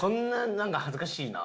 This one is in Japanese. なんか恥ずかしいな。